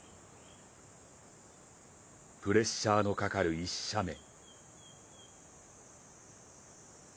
プレッシャーのかかる１射目。